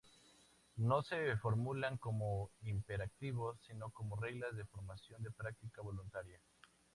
No se formulan como imperativos, sino como reglas de formación de práctica voluntaria.